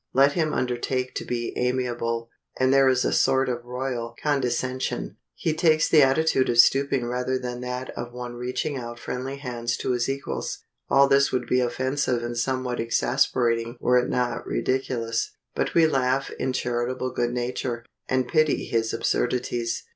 Let him undertake to be amiable, and there is a sort of royal condescension; he takes the attitude of stooping rather than that of one reaching out friendly hands to his equals. All this would be offensive and somewhat exasperating were it not ridiculous. But we laugh in charitable good nature, and pity his absurdities.